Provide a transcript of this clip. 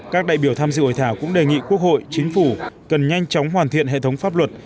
các đại biểu tham dự hội thảo cũng đề nghị quốc hội chính phủ cần nhanh chóng hoàn thiện hệ thống pháp luật